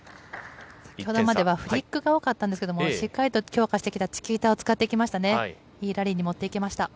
先ほどまではフリックが多かったんですけれども、しっかりと強化してきたチキータを使ってきましたね。